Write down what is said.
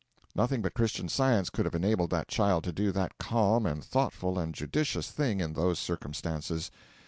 Nothing but Christian Science could have enabled that child to do that calm and thoughtful and judicious thing in those circumstances.